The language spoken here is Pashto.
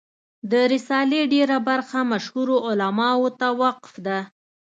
د رسالې ډېره برخه مشهورو علماوو ته وقف ده.